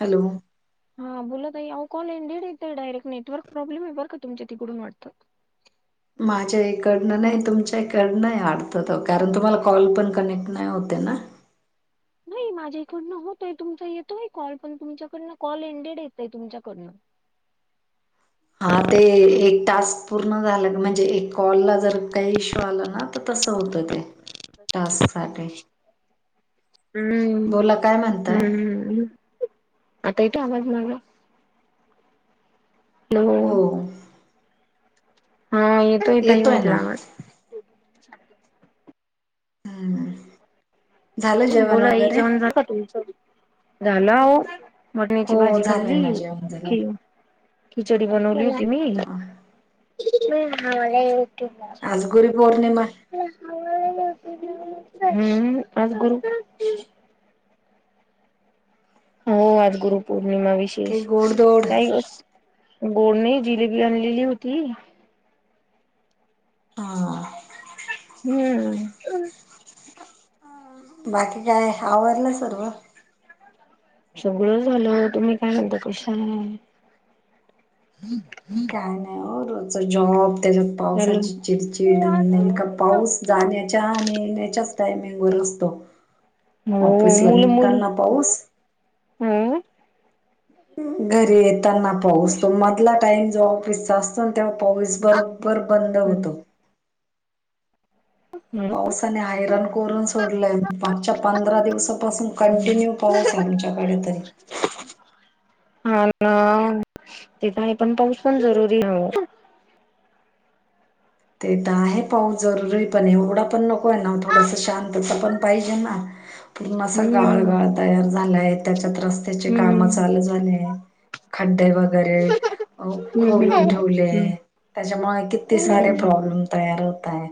Hello. हा बोला ताई आहो कॉल येनडेड येतय डायरेक्ट नेटवर्क प्रॉब्लेम आहे बरं का तुमच्या तिकडुन वाटतं? माझ्या इकडनं नाही तुमच्या इकडनय आडतत कारण तुम्हाला कॉल पण कनेक्ट नाही होते ना? नाही माझ्या इकडनं होतोय तुमचा येतोय कॉल पण तुमच्याकडनं कॉल एंन्डेड येतय तुमच्याकडनं. हां ते एक टास्क पूर्ण झालं म्हणजे एक कॉल ला जर काही इश्यू आला ना. क्त तसं होतं ते टास्क साठी. हम्म बोला काय म्हणताय हम्म हम्म, आता येतोय आवाज माझा? हॅलो हो हा येतोय ताई म्हटलं आवाज. हम्म झालं जेवण बोला आई, वगैरे जेवण झाल का तुमचं? झाला ओ वटाण्याची हो भाजी झालंय खाल्ली ना जेवण झालं की खिचडी बनवली होती मी. ह [unintelligible] आज गुरुपौर्णिमा. [unintelligible] हम्म आज गुरु हो, आज गुरुपौर्णिमा की विशेष गोडदोड काही अस गोड नाही जिलेबी आणलेली होती. हा हम्म बाकी काय आवरलं सर्व? सगळं झालं, तुम्ही काय म्हणता कशा आहे? काय नाही ओ, रोजचा जॉब त्याच्यात हॅलो पावसाची चिडचिड नेमका पाऊस जाण्याच्या आणि येण्याच्याच टायमिंग वर असतो. हो ऑफिस ला निघताना पाऊस हम्म घरी येताना पाऊस, तो मधला टाइम जो ऑफिसचा असतो ना तेव्हा पाऊस बरोबर बंद होतो. पावसाने हायरान करून सोडलंय, मागच्या पंधरा दिवसापासून कंटिन्यू पाऊस आहे आमच्याकडे तरी. हां ना ते तर आहे, पण पाऊस पण जरुरी आहे आओ. ते तर आहे पाऊस जरुरी, पण एवढा पण नको आहे ना ओ, थोडास शांतता पण पाहिजे ना. पूर्ण असा हम्म गाळगाळ तयार झालाय, त्याच्यात रस्त्याचे काम हम्म चालू झालेय. खडे वगैरे आओ हम्म खोलून ठेवले आहे. त्याच्यामुळे किती सारे हम्म प्रॉब्लेम तयार होताय.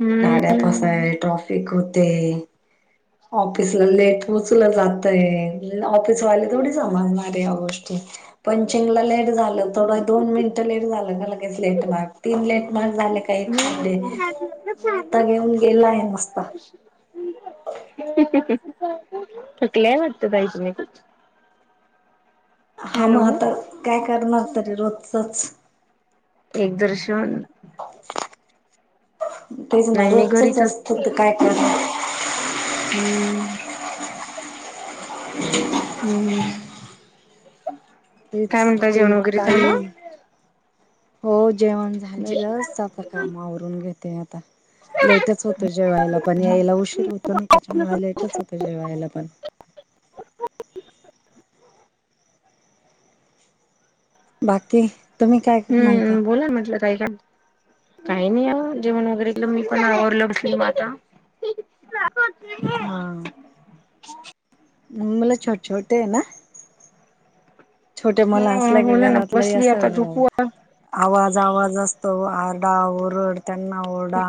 हम्म हम्म गाड्याफसाय आहे, ट्रॅफिक होतय. ऑफिसला लेट पोचलं जातय, ऑफिसवाले थोडी समजणार णारे या गोष्टी. पनचिंग ला लेट झालं थोडं दोन मिनिटं लेट झाल का लगेच लेटमार्क, तीन लेटमार्क झाले का का एक हाफ डे हम्म वैतागे येऊन गेलाय नुसता थकलाय वाटत ताई तुम्ही खूप. हा हॅलो मग आता काय करणार तरी रोजचच. एक्झर्शन तेच ना नाही मी रोजचच घरीच असते असतं ते काय करणार हम्म [inaudible] हम्म तेच काय म्हणता ते जेवण वगैरे काही झालं हो जेवण झालय जे जस्ट, आता काम आवरून घेते आता. लेटच होत जेवायला पण, यायला उशीर होतो ना त्याच्यामुळ लेटच होत जेवायला पण. बाकी तुम्ही काय म्हणता हम्म बोला म्हटलं काय काय काही नाही जेवण वगैरे मी पण आवरलं आता ह हा मुले छोट छोट आहे ना छोटे मुले हा असलं का बोला ना घरातलंही बसली आता असं झोपू आवाज- आवाज असतो आरडा ओरड त्यांना ओरडा.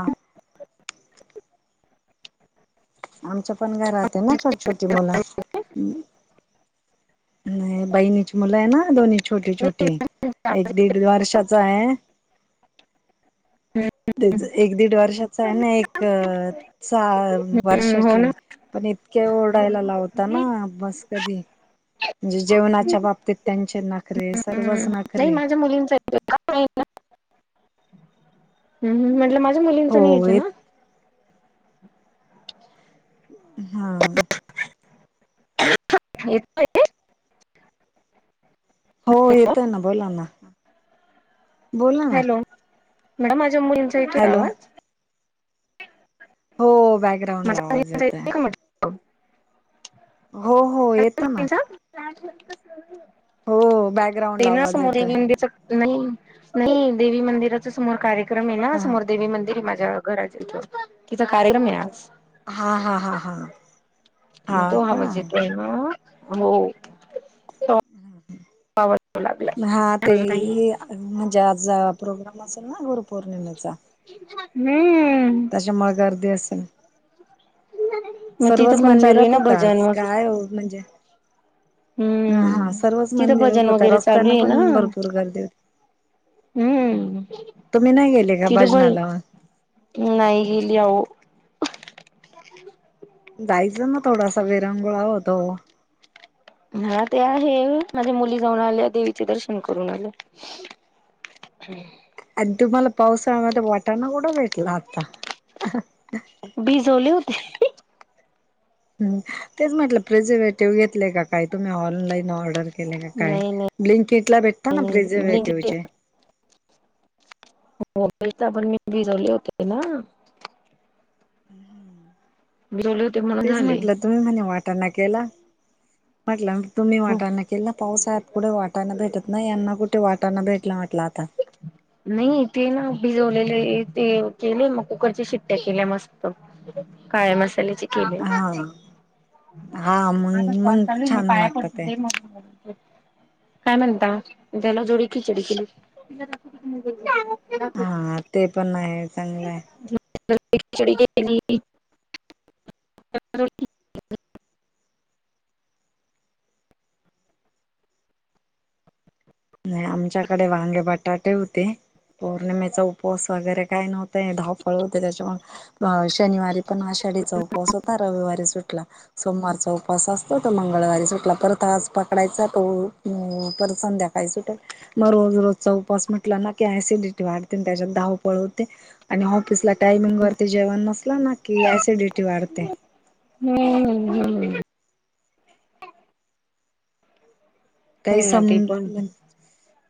आमचं पण घरात आहे ना छोट छोटी मुलं. नाही बहिणीची मुलं आहे ना दोन्ही छोटे छोटी एक दीड वर्षाचा आहे. हो तेच एक दीड वर्षाच आहे ना एक सहा वर्षाची ना. आहे. पण इतके ओरडायला लावता ना हम्म बस कधी म्हणजे जेवणाच्या बाबतीत त्यांचे नरे सर्वच नकरे नाही माझ्या मुलींचा ह म्हटलं माझ्या मुलींचं हो येतं ना येत हा. त [unintelligible] हो येतय ना बोला ना बोला ना. हॅलो मॅडम माझ्या मुलींचा ऐतो हॅलो आवाज. हो बॅकग्राऊंड ला आवाज येत आहे. हम [unintelligible] हो हो येतो ना. हो बॅकग्राउंड ते ला ना आवाज समोर येतोय. विं दच नाही नाही देवी मंदिराचा समोर कार्यक्रम आहे ना हा समोर देवी मंदिर आहे माझ्या घराच्या इथ. तिचा कार्यक्रम आहे. हा हा हा हा मग हा तो का अवाज येतोय का? हो. तो आवाज येऊ लागलाय. हा ते अजूनही म्हणजे आज प्रोग्राम असेल ना गुरुपौर्णिमेचा. हम्म त्याच्यामुळे गर्दी असेल. मग तिथं सर्वच पण चालू आहे मंदिरात ना होता भजन आज वगैरे काय म्हणजे हा हा हम्म, सर्वच तिथं मंदिरात भजन होता वगैरे चालू रस्त्याना आहे ना, पण भरपूर गर्दी होती हम्म, तुम्ही नाही गेले का तिथ बई भजनाला नाही गेली आओ. जायचं ना थोडासा वीरंगुळा होतो. हा ते आहे, माझ्या मुली जाऊन आल्या, देवीच दर्शन करून आल्या. हम्म. आणि तुम्हाला पावसाळ्यामध्ये वाटाणा कुट भेटला आता. भिजवले होते. हम्म, तेच म्हटलं, प्रिझर्वेटिव्ह घेतलय का काय तुम्ही ऑनलाईन ऑर्डर. केला का काय, नाही नाही ब्लिंकिट ला भेटतात ना नाही प्रिझर्वेटिव्हचे. हो मी भिजवले होते ना. हम्म. [inaudible] भिजवले होते म्हणून झालय. तुम्ही म्हणे वाटाना केला, म्हटलं तुम्ही वाटांना केला पावसात कुठे वाटाना भेटत नाही यांना, कुठे वाटाना भेटलं म्हटलं आता. नाही ते ना भिजवलेले ते केले. मग कुकरच्या शिट्ट्या केल्या मस्त. काळया मसाल्याची केलेय. हा हा माझा मग कॉल मग चालू आहे मी छान पाया लागत पडते ते दे मग. काय म्हणता, त्याला थोडी खीचडी केली. दाखवते. हा ते पण आहे चांगलं आहे. [unintelligible] नाही आमच्याकडे वांगे, बटाटे होते. पौर्णिमेचा उपवास वगैरे काय नव्हतं, हे धावफळ होते त्याच्यामुळे. शनिवारी पण आषाढीचा उपवास होता, रविवारी सुटला. सोमवारचा उपवास असतो तर, मंगळवारी सुटला. परत आज पकडायचा तो परत संध्याकाळी सोडायचा. मग रोज रोजचा उपास म्हटला ना की ॲसिडिटी वाढते, न त्याच्यात धावपळ होते. आणि ऑफिस ला, टायमिंग वरती जेवण नसला ना की ऍसिडिटी वाढते. होय, होय, होय. काही हो ना ते पण संपल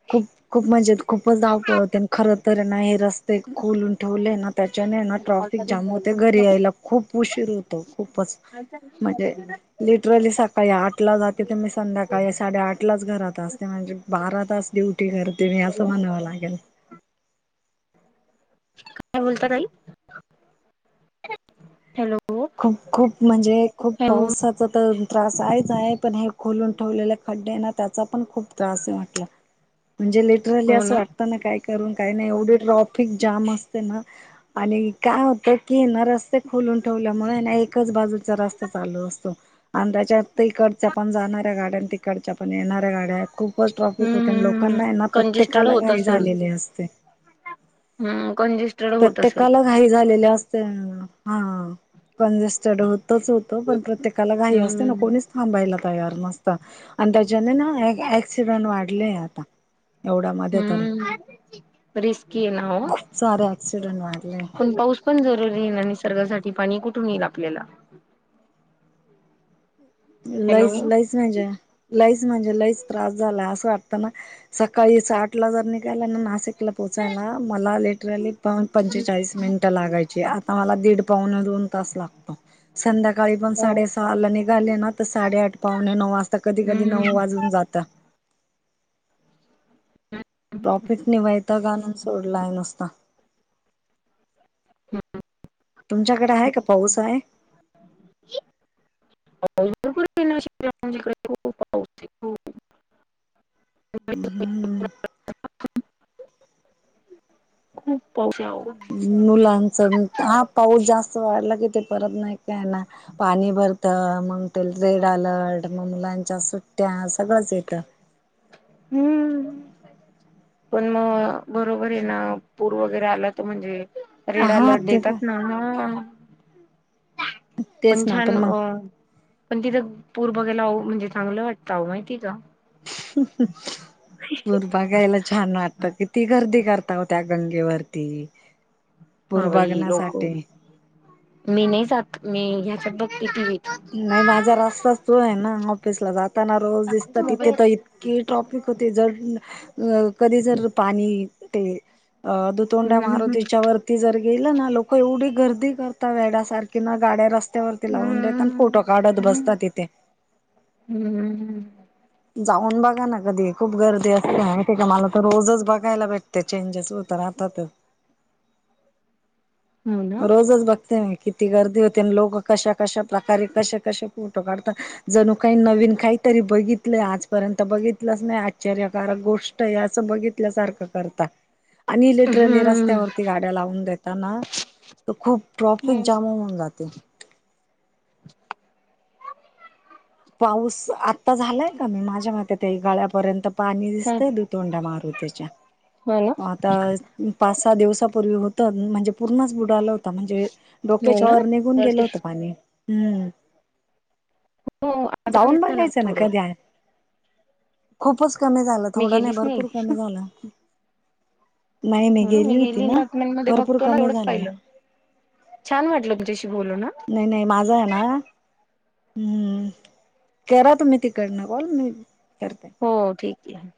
खूप खूप म्हणजे खूपच धावपळ होते, खर तर ना हे रस ते खोलून ठेवलेय ना, त्याच्याने ना ट्राफिक जाम होतो. त्याच्यामुळे ना घरी यायला खूप उशीर होतो खूपच. काय म्हणजे, लिटरली सकाळी आठ ला जाते तर मी संध्याकाळी सकाळी साडेआठलाच घरात असते, म्हणजे बारा तास ड्युटी करते मी असं म्हणावं लागेल. काय बोलता ताई, हॅलो. खूप खूप म्हणजे खूप हॅलो पावसाचं तर त्रास आहेच आहे. पण हे खोलून ठेवलेले खड्डे्य ना, त्याचा पण खूप त्रास आहे म्हंटल. म्हणजे लिटरली असं वाटतं ना, काय करून काही नाही. एवढी ट्रॉफिक जॉम असते ना‌ आणि काय हुतय, की ना रस्ते खोलून ठेवल्यामुळे ना, एकच बाजूचा रस्ता चालू असतो्. आणि त्याच्यात तिकडच्या पण जाणाऱ्या गाड्या, आणि तिकडच्या पण येणाऱ्या गाड्या हायत. खूपच ट्रॉफिक हम्म होते, आणि हम्म लोकांना हम्म आहे ना प्रत्येकाला काही झालेली असते. हां, कंजुष प्रत्येकाला घाई झालेली असते हा. कंजेस्टेड होतच होतं, पण प्रत्येकाला घाई असते ना हम्म कोणीच थांबायला तयार नसतं, आणि त्याच्याने ना ऍक्सिडेंट वाढलेय आता. एवढ्या मध्ये तरी, हम्म रिस्की आहे ना हो खूप सारे ऍक्सिडेंट वाढलेय‌. पण पाऊस पण जरुरी आहे ना, निसर्गासाठी पाणी कोठुन येईल आपल्याला. हॅलो लईच लईच म्हणजे लईच म्हणजे लईच त्रास झाला असं वाटतं ना. सकाळी सातला जर निघाल ना नाशिक ला पोचायला मला लिटरली पाऊण पंचेचाळीस मिनिटं लागायची. आता मला दीड पाऊणे दोन संध्याकाळी पण साडे सहाला निघाले ना तर साडेआठ पाहुणे नऊ वाजता, कधी कधी नऊ हम्म वाजून जातं. ट्रॉफिक ने वैताग आणून सोडलाय नुसता. तुमच्याकडे आहे का पाऊस आहे. [unintelligible] खुप पाऊस हाय खूप. हम्म. खूप पाहस आहे. मुलांच हा पाऊस जास्त वाढला की, ते परत नाही काय नाही. पाणी भरत, मग ते रेड अलर्ट मग मुलांच्या सुट्ट्या, सगळंच येतं. हम्म पण मग बरोबर आहे ना पूर वगैरे आला तर म्हणजे. रेड हा अलर्ट ते पण देतात ना, तेच पण ना छान अ पण तिथं पूर बघायला म्हणजे चांगलं वाटतं माहिती का? बरोबर बघायला छान वाटत, किती गर्दी करता हो त्या गंगेवरती पूर हा बाई बघण्या लोक साठी मी नाही जात मी ह्याच्यात बघते ती व् नाही माझा रस्ताच तो आहे ना ऑफिसला जाताना रोज दिसत तिथे मोबाईल तर इतकी जर टॉपिक होते जर कधी जर पाणी ते तोंड्या हम्म मारुतीच्या वरती जर गेलं ना एवढी गर्दी करतात वेड्यासारखी गाड्या रस्त त्या ववरती लावून देत आणि फोटो हम्म काढत बसतात इथे. हम्म हम्म हम्म जाऊन बघा ना कधी खूप गर्दी असते माहिती आहे का मला तर रोजच बघायला भेट ते चेंजेस होत राहतात हो ना रोजच बघते म- किती गर्दी होते आणि लोक कशा कशा प्रकारे कशा फोटो काढतात. जनु काही नवीन काहीतरी बघितय. आजपर्यंत बघितलंच नाही आश्चर्यकारक गोष्ट असं बघित बघितल्या सारखं करता आणि इलेट्रली हम्म रस्त्यावरती गाड्या लावून देताना तर खूप ट्रॅफिक जाम होऊन जात. पाऊस आता झालाय का मी माझ्या मते ते गाळ्यापर्यंत पाणी हो दिसतंय. तोडा मारूती त्याच्या हो ना आता पाच सहा दिवसापूर्वी होत म्हणजे पूर्णच बुडा आला होता म्हणजे. हो डोक्याच्या ना वर निघून तर गेल ते होतं पाणी हम्म. हो आता कमी जाऊन झालं बघायचं ना थोडं. कधी, खूपच कमी झालं मी थोडा नाही गेलीच भरपूर कमी झालाना. मी होती गेली ना. रमेंट मध्ये भरपूर बघतो ना कमी एवढंच झालंय पहिलं, छान वाटलं तुझ्याशी बोल ना. नाही नाही माझा आहे ना, हम्म करा तुम्ही तिकडन कॉल मी करते. हो ठीक आहे.